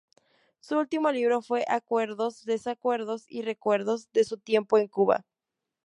Su último libro fue "Acuerdos, desacuerdos y recuerdos", de su tiempo en Cuba.